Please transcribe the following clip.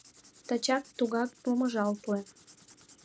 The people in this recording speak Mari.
Тачат тугак помыжалте.